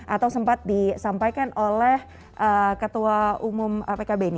atau sempat disampaikan oleh ketua umum pkb ini